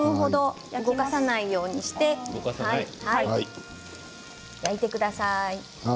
動かさないようにして焼いてください。